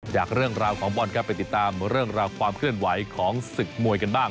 จากเรื่องราวของบอลครับไปติดตามเรื่องราวความเคลื่อนไหวของศึกมวยกันบ้าง